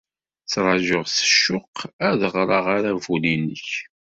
Ttṛajuɣ s ccuq ad ɣreɣ aṛabul-nnek.